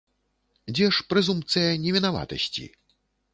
Дзе ж прэзумпцыя невінаватасці?